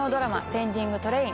「ペンディングトレイン」